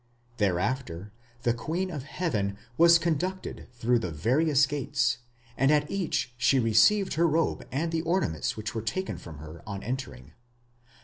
Thereafter the Queen of Heaven was conducted through the various gates, and at each she received her robe and the ornaments which were taken from her on entering.